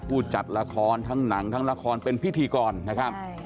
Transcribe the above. จัดละครทั้งหนังทั้งละครเป็นพิธีกรนะครับ